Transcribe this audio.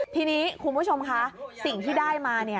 ทีนี้คุณผู้ชมคะสิ่งที่ได้มา